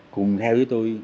cùng theo với tôi